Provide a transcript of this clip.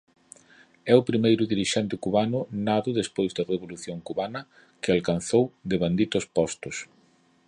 É o primeiro dirixente cubano nado despois da Revolución cubana que alcanzou devanditos postos.